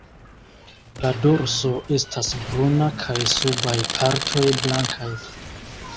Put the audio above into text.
La dorso estas bruna kaj subaj partoj blankaj.